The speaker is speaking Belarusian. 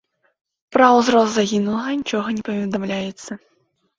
Пра ўзрост загінулага нічога не паведамляецца.